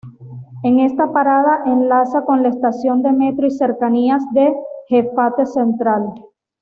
En esta parada enlaza con la estación de metro y cercanías de Getafe Central.